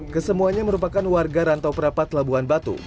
kesemuanya merupakan warga rantau perapat labuan batu